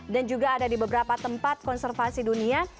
dan juga ada di beberapa tempat konservasi dunia